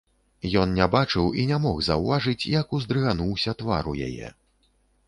Ён не бачыў і не мог заўважыць, як уздрыгануўся твар у яе.